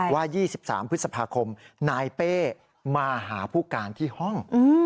ว่า๒๓พฤษภาคมนายเป้มาหาผู้การที่ห้อง